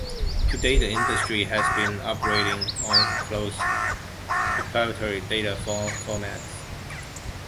To date, the industry has been operating on closed, proprietary data formats.